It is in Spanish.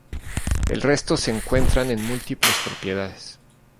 El resto se encuentran en múltiples propiedad.